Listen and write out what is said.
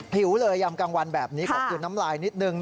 หิวเลยอำกังวันแบบนี้ขอบคุณน้ำลายนิดนึง